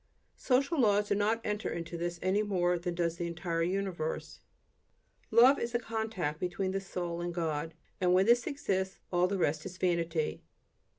Social laws do not enter into this any more than does the entire universe. Love is the contact between the soul and God; and when this exists, all the rest is vanity.